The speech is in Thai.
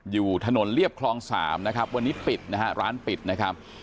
อยู่ถนนเรียบคลอง๓นะครับวันนี้ปิดนะฮะร้านปิดนะครับ